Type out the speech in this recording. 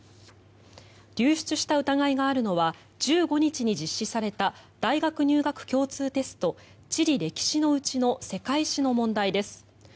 流出した疑いがあるのは１５日に実施された大学入学共通テスト地理歴史のうちの世界史の問題です。